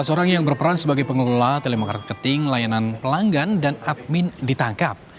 tiga belas orang yang berperan sebagai pengelola telemekarketing layanan pelanggan dan admin ditangkap